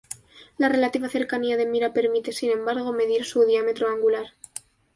La relativa cercanía de Mira permite, sin embargo, medir su diámetro angular.